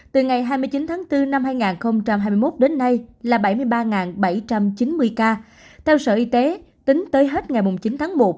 từ ngày hai mươi chín tháng bốn năm hai nghìn hai mươi một đến nay là bảy mươi ba bảy trăm chín mươi ca theo sở y tế tính tới hết ngày chín tháng một